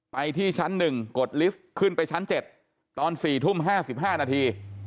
ไปที่ชั้น๑กดลิฟต์ขึ้นไปชั้น๗ตอน๔ทุ่ม๕๕นาที